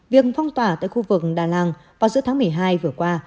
việc phong tỏa tại khu vực đà làng vào giữa tháng một mươi hai vừa qua